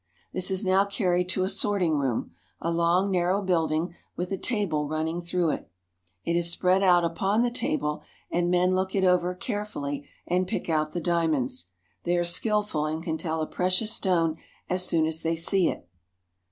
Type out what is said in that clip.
This is now carried to a sorting room, a long, narrow building with a table running through it. It is spread out upon the table, and men look it carefully over and pick out the diamonds. They are skillful, and can tell a precious stone as soon as they see it.